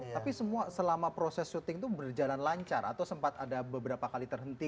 tapi semua selama proses syuting itu berjalan lancar atau sempat ada beberapa kali terhenti